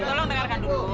tolong dengarkan dulu